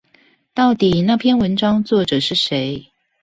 到底那篇文章作者是誰？